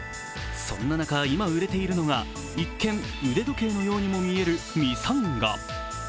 そんな中、今、売れているのが一見、腕時計のようにも見えるミサンガ。